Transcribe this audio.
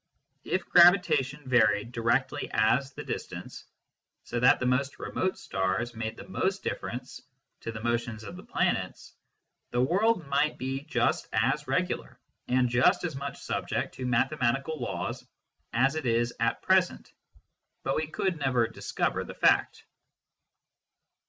If gravitation varied directly as the distance, so that the most remote stars made the most difference to the motions of the planets, the world might be just as regular and just as much subject to mathematical laws as it is at present, but we could never discover the fact.